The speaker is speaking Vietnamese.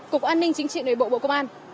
cục an ninh chính trị nơi bộ công an